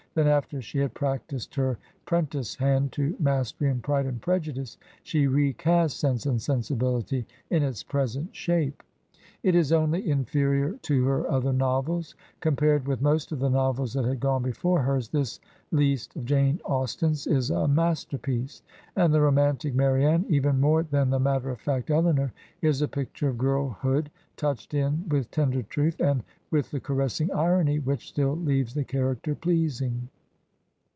Then, after she had practised her 'prentice hand to mastery in "Pride and Prejudice," she recast " Sense and Sensibility " in its present shape. It is only inferior to her other noviels; compared with most of the novels that had gone before hers, this least of Jane Austen's is a masterpiece; and the romantic Marianne, even more than the matter of fact Elinor, is a picture of girlhood touched in with tender truth, and with the caressing irony which still leaves the character pleasing.